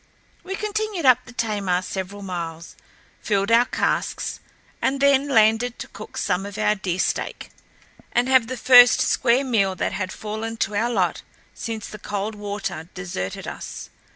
We continued up the Tamar several miles, filled our casks, and then landed to cook some of our deer steak, and have the first square meal that had fallen to our lot since the Coldwater deserted us.